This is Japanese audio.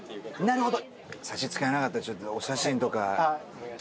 なるほど。